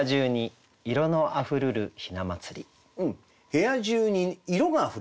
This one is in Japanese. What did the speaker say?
部屋中に色があふれた。